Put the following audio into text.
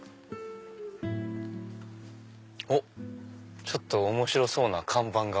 おっちょっと面白そうな看板が。